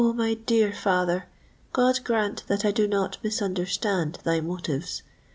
my dear father—God grant that I do not misunderstand thy motives!